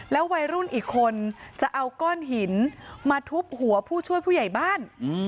วัยรุ่นอีกคนจะเอาก้อนหินมาทุบหัวผู้ช่วยผู้ใหญ่บ้าน